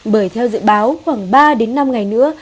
bởi theo dự báo khoảng ba đến năm ngày nữa